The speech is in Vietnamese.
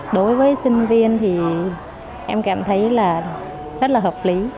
đối với sinh viên thì em cảm thấy là rất là hợp lý